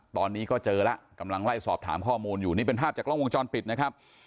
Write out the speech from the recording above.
ตอนนี้ก็เจอแล้วกำลังไล่สอบถามข้อมูลอยู่นี่เป็นภาพจากกล้องวงจรปิดนะครับ